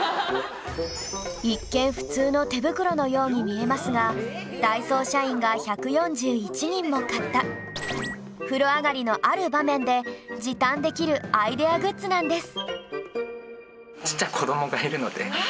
一見普通の手袋のように見えますがダイソー社員が１４１人も買った風呂上がりのある場面で時短できるアイデアグッズなんです